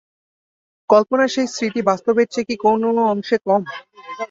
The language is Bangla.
কল্পনার সেই স্মৃতি বাস্তবের চেয়ে কি কোনো অংশে কম?